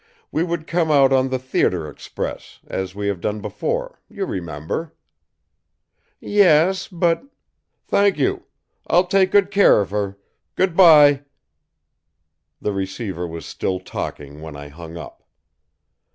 We could come out on the theatre express; as we have done before, you remember?" "Yes, but " "Thank you. I'll take good care of her. Good bye." The receiver was still talking when I hung up.